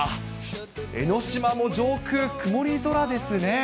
江の島も上空、曇り空ですね。